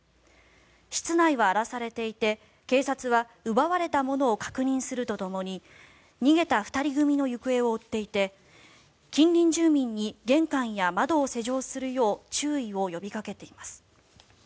室内は荒らされていて警察は奪われたものを確認するとともに逃げた２人組の行方を追っていて近隣住民に玄関や窓を施錠するよう注意を呼びかけています。